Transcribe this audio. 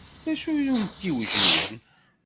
D acu-t umtiweg-nwen?